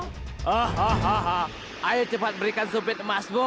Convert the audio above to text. hahaha ayo cepat berikan sumpit emasku